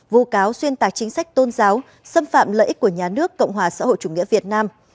vụ cáo xuyên tạc chính sách tôn giáo xâm phạm lợi ích của nhà nước cộng hòa xã hội chủ nghĩa việt nam